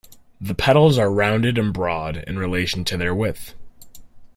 The petals are rounded and broad in relation to their width.